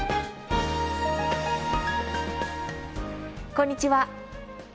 こんにちは。